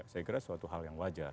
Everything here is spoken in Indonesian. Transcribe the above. saya kira suatu hal yang wajar